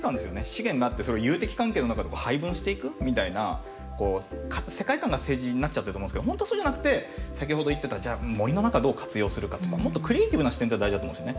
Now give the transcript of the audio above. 資源があってそれを友敵関係の中で配分していくみたいな世界観が政治になっちゃってると思うんですけど本当はそうじゃなくて先ほど言ってたじゃあ森の中どう活用するかとかもっとクリエイティブな視点っていうのが大事だと思うんですよね。